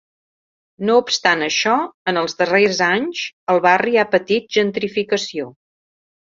No obstant això, en els darrers anys, el barri ha patit gentrificació.